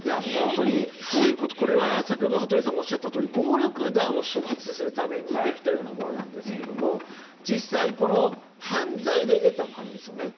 本当にこれは羽鳥さんが先ほどおっしゃったように暴力団を処罰するためにできたようなものなんですが実際、犯罪で得たお金ですよね。